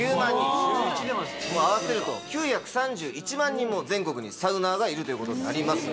合わせると。も全国にサウナーがいるということになります。